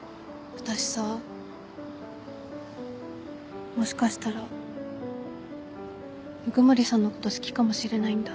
私さもしかしたら鵜久森さんのこと好きかもしれないんだ。